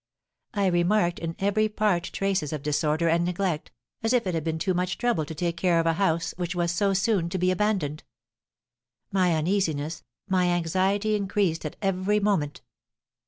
I remarked in every part traces of disorder and neglect, as if it had been too much trouble to take care of a house which was so soon to be abandoned. My uneasiness my anxiety increased at every moment.